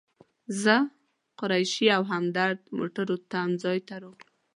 زه، قریشي او همدرد موټرو تم ځای ته راغلو.